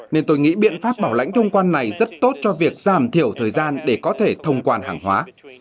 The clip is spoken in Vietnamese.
nên tôi nghĩ biện pháp bảo lãnh thông quan này rất tốt cho việc giảm thiểu thời gian để có thể thông quan hàng hóa